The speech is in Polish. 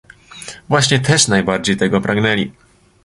"Właśnie też najbardziej tego pragnęli."